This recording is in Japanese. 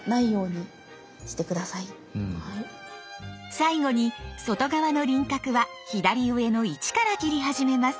最後に外側の輪郭は左上の１から切り始めます。